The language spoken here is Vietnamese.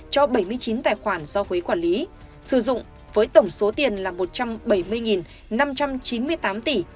cho bảy mươi chín tài khoản do thuế quản lý sử dụng với tổng số tiền là một trăm bảy mươi năm trăm chín mươi tám tỷ